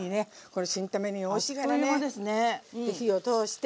で火を通して。